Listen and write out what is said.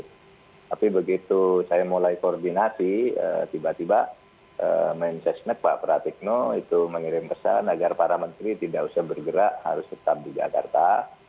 tapi begitu saya mulai koordinasi tiba tiba mensesnek pak pratikno itu mengirim pesan agar para menteri tidak usah bergerak harus tetap di jakarta